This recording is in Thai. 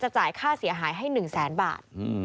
จะจ่ายค่าเสียหายให้หนึ่งแสนบาท